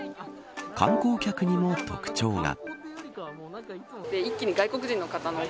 観光客にも特徴が。